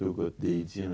dan quotes lainnya